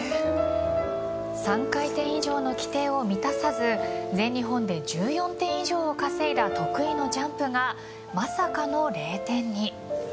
３回転以上の規定を満たさず全日本で１４点以上を稼いだ得意のジャンプがまさかの０点に。